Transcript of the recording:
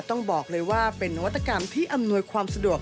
ต้องบอกเลยว่าเป็นนวัตกรรมที่อำนวยความสะดวก